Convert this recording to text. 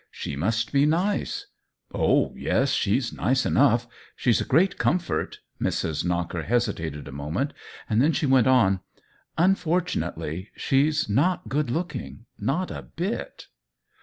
She must be nice/' "Oh yes, she's nice enough. She's a great comfort." Mrs. Knocker hesitated a moment, then she went on :" Unfortunate ly, she's not good looking — not a bit.'